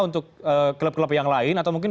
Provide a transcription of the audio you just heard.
untuk klub klub yang lain atau mungkin